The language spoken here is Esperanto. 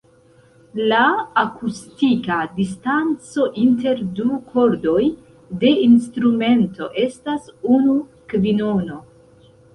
La akustika distanco inter du kordoj de instrumento estas unu kvinono.